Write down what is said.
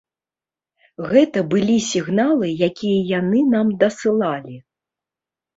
Гэта былі сігналы, якія яны нам дасылалі.